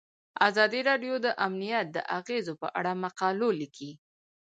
ازادي راډیو د امنیت د اغیزو په اړه مقالو لیکلي.